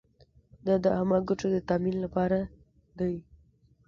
دا د عامه ګټو د تامین لپاره دی.